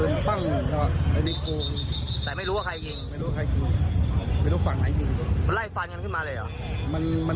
มันเดินลงไปก่อน